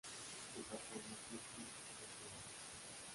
De esa forma surge "Estaciones.